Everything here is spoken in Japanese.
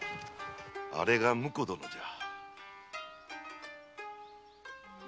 あれが婿殿じゃ。